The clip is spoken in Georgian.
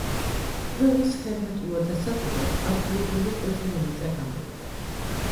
ქვევრის ჰერმეტულად დასახურად ადგილობრივი ყვითელი მიწა გამოიყენება.